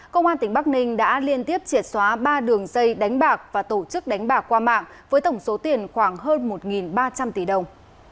công an tỉnh bắc ninh đã liên tiếp triệt xóa ba đường dây đánh bạc và tổ chức đánh bạc qua mạng với tổng số tiền khoảng hơn một ba trăm linh tỷ đồng